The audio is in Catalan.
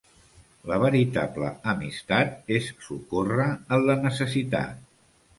La veritable amistat és socórrer en la necessitat.